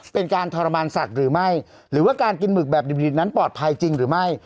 เป็นการทรมานสัตว์หรือไม่หรือว่าการกินหมึกแบบดิบนั้นปลอดภัยจริงหรือไม่